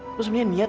terus sebenernya niat